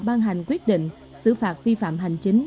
ban hành quyết định xử phạt vi phạm hành chính